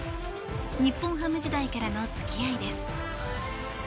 日本ハム時代からの付き合いです。